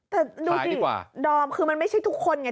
แต่ดูสิดอมคือมันไม่ใช่ทุกคนไง